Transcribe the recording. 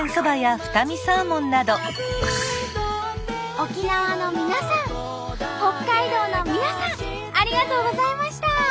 沖縄の皆さん北海道の皆さんありがとうございました。